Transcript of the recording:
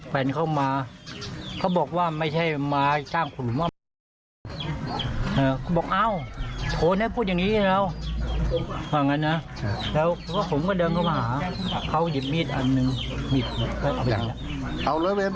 เพราะฉะนั้นนะแล้วผมก็เดินเข้ามาหาเขาหยิบมีดอันนึงหยิบมีดก็เอาไปแล้ว